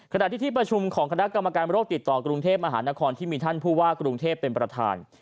ขณะที่ที่ประชุมของคณะกรรมการโรคติดต่อกรุงเทพมหานครที่มีท่านผู้ว่ากรุงเทพเป็นประธาน